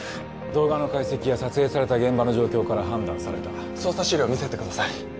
動画の解析や撮影された現場の状況から判捜査資料見せてください